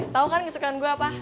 tau kan kesukaan gue apa